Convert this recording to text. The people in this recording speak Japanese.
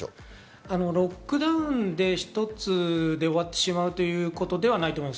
ロックダウン一つで終わってしまうということではないと思います。